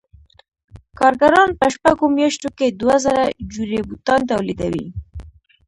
کارګران په شپږو میاشتو کې دوه زره جوړې بوټان تولیدوي